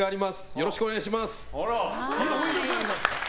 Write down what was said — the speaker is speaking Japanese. よろしくお願いします。